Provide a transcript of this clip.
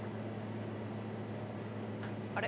あれ。